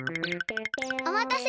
おまたせ！